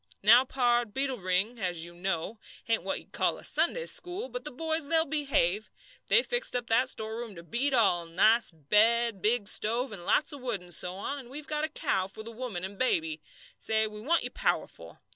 Now, pard, Beetle Ring, as you know, ain't what you'd call a Sunday school, but the boys they'll behave. They fixed up that storeroom to beat all, nice bed, big stove, and lots of wood, and so on, and we've got a cow for the woman and baby. Say, we want you powerful.